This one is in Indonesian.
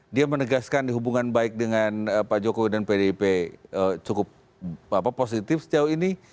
dia menegaskan hubungan baik dengan pak jokowi dan pdip cukup positif sejauh ini